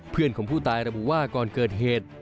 เพื่อนของผู้ตายระบุว่าก่อนเกิดเหตุ